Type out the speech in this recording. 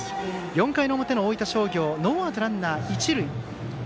４回の表の大分商業ノーアウトランナー、一塁。